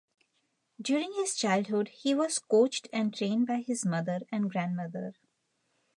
During his childhood he was coached and trained by his mother and grandmother.